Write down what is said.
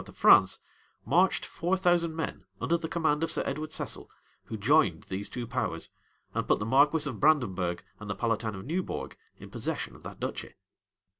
of France, marched[] four thousand men, under the command of Sir Edward Cecil, who joined these two powers, and put the marquis of Brandenburgh and the palatine of Newbourg in possession of that duchy.